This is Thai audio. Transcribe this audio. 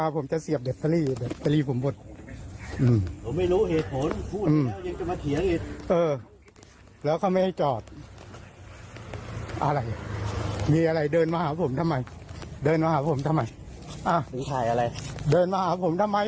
ผมจะเสียบแบตเตอรี่แล้วอยู่เดินมาหาผมเนี่ยเรื่องอะไร